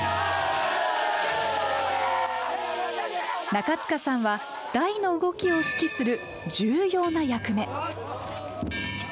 中塚さんは台の動きを指揮する重要な役目。